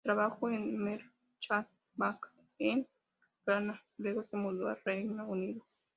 Trabajó en Merchant Bank en Ghana, luego se mudó al Reino Unido.